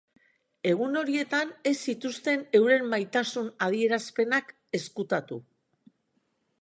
Egun horietan ez zituzten euren maitasun adierazpenak ezkutatu.